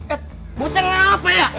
eh butuh ngapa ya